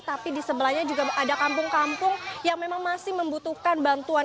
tapi di sebelahnya juga ada kampung kampung yang memang masih membutuhkan bantuan